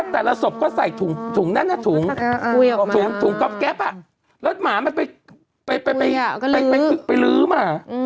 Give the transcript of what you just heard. แต่ละศพก็ใส่ถุงนั้นถุงถุงก๊อบแก๊ปแล้วหมามันไปลื้อมา